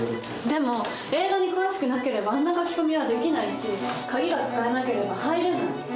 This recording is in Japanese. でも映画に詳しくなければあんな書き込みはできないし鍵が使えなければ入れない。